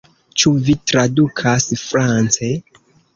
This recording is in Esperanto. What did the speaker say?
Ĉu vi tradukas france?